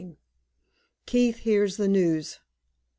KEITH HEARS THE NEWS.